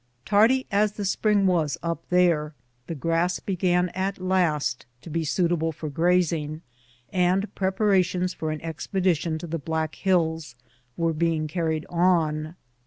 Tardy as the spring was up there, the grass began at last to be suitable for grazing, and preparations for an expedition to the Black Hills were being carried on.